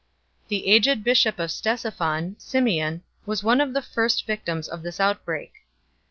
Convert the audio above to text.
The aged bishop of Ctesiphon, Symeon, was one of the first victims of this outbreak.